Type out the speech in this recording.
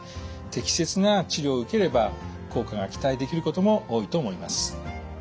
適切な治療を受ければ効果が期待できることも多いと思います。